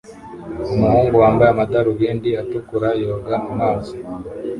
Umuhungu wambaye amadarubindi atukura yoga mu mazi